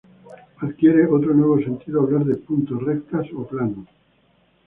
Adquiere otro nuevo sentido hablar de puntos, rectas o planos.